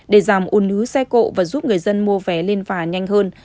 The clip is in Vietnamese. để giảm ôn hứa xe cộ và giúp người dân mua vé lên phà nhanh hơn